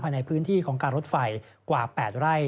ในพื้นที่ของการรถไฟกว่า๘ไร่